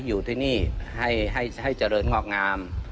อยู่ที่นี่ให้เจริญงอกงาม